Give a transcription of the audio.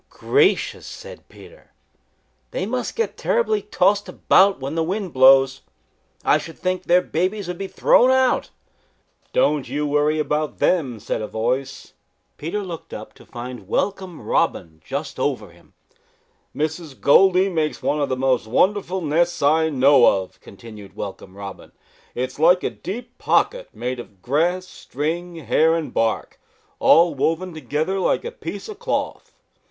"Gracious!" said Peter. "They must get terribly tossed about when the wind blows. I should think their babies would be thrown out." "Don't you worry about them," said a voice. Peter looked up to find Welcome Robin just over him. "Mrs. Goldy makes one of the most wonderful nests I know of," continued Welcome Robin. "It is like a deep pocket made of grass, string, hair and bark, all woven together like a piece of cloth.